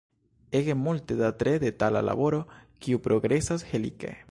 Ege multe da tre detala laboro, kiu progresas helike.